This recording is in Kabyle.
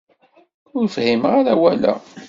Ur fhimeɣ ara awal-a.